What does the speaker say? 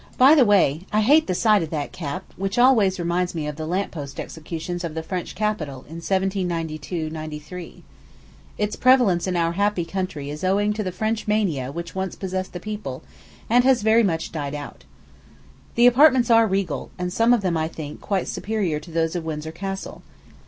By the way, I hate the sight of that cap, which always reminds me of the lamp post executions of the French capital in 1792 3. Its prevalence in our happy country is owing to the French mania which once possessed the people, and has very much died out. The apartments are regal, and some of them, I think, quite superior to those of Windsor Castle.